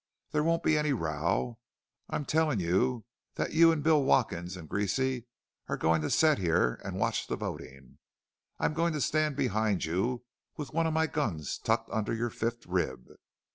There won't be any row. I'm telling you that you and Bill Watkins and Greasy are going to set here and watch the voting. I'm going to stand behind you with one of my guns tucked under your fifth rib.